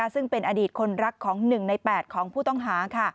ซึ่งเป็นอดีตคนรักของ๑ใน๘ของผู้ต้องหา